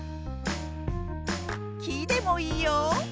「き」でもいいよ！